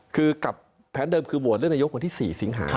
คือกลับแผนเดิมคือบวชเรื่องนายกว่าที่๔สิงหา